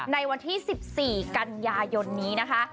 ในวันที่๑๔กันยายนนี้นะคะ